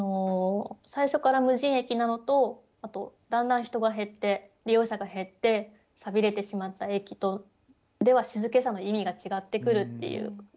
最初から無人駅なのとあとだんだん人が減って利用者が減って寂れてしまった駅とでは静けさの意味が違ってくるっていう。